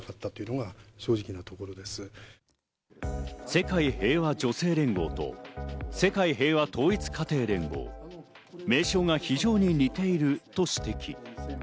世界平和女性連合と世界平和統一家庭連合、名称が非常に似ていると指摘。